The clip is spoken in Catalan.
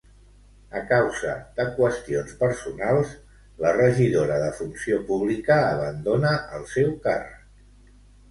A causa de qüestions personals, la regidora de Funció Pública abandona el seu càrrec.